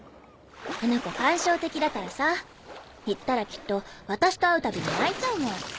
あの子感傷的だからさ言ったらきっと私と会うたびに泣いちゃうもん。